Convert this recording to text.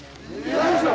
よいしょ！